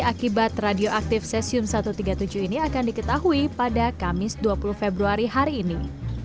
akibat radioaktif cesium satu ratus tiga puluh tujuh ini akan diketahui pada kamis dua puluh februari hari ini